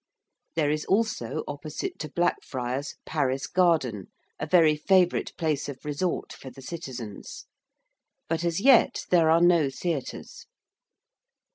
There is also, opposite to Blackfriars, Paris Garden, a very favourite place of resort for the citizens. But as yet there are no theatres.